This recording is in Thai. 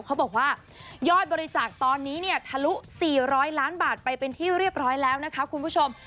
เขาบอกว่ายอดบริจาคตอนนี้เนี่ยทะลุ๔๐๐ล้านบาทไปเป็นที่เรียบร้อยแล้วนะคะคุณผู้ชม